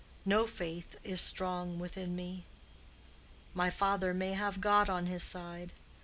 No faith is strong within me. My father may have God on his side.